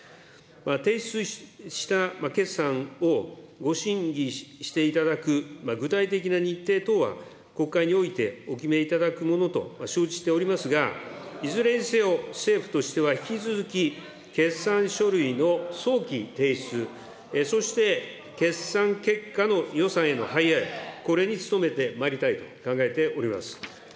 提出した決算をご審議していただく具体的な日程等は、国会においてお決めいただくものと承知しておりますが、いずれにせよ政府としては引き続き決算書類の早期提出、そして決算結果の予算への反映、これに努めてまいりたいと考えております。